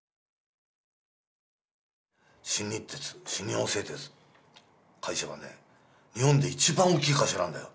「新日鉄新日本製鐵って会社はね日本で一番大きい会社なんだよ」。